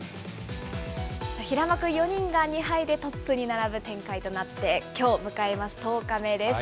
平幕４人が２敗でトップに並ぶ展開となって、きょう迎えます